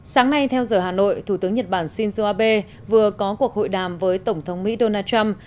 sáng nay theo giờ hà nội thủ tướng nhật bản shinzo abe vừa có cuộc hội đàm với tổng thống mỹ donald trump